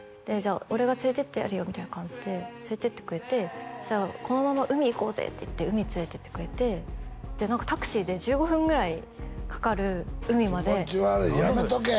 俺が連れていってやるよみたいな感じで連れていってくれてそしたらこのまま海行こうぜって言って海連れていってくれてで何かタクシーで１５分ぐらいかかる海まで気持ち悪いやめとけ！